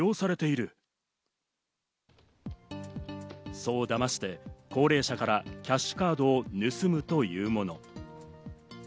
そう騙して高齢者からキャッシュカードを盗むというもの。